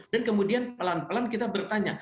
dan kemudian pelan pelan kita bertanya